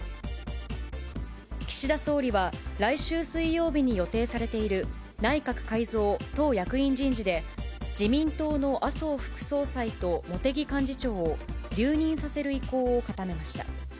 岸田総理は来週水曜日に予定されている、内閣改造・党役員人事で、自民党の麻生副総裁と茂木幹事長を留任させる意向を固めました。